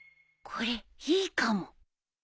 これいいかも